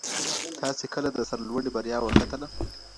تاسي کله د سرلوړي بریا وکتله؟